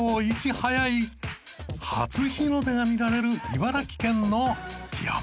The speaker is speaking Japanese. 一早い初日の出が見られる茨城県の山。